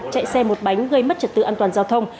chạy xe một bánh gây mất trật tự an toàn giao thông